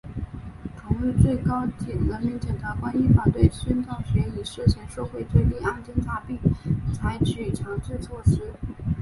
同日最高人民检察院依法对孙兆学以涉嫌受贿罪立案侦查并采取强制措施。